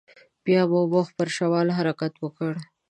بيا مو مخ پر شمال حرکت وکړ.